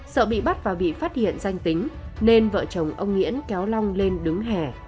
sợ bị bắt và bị phát hiện danh tính nên vợ chồng ông nghĩễn kéo lòng lên đứng hẻ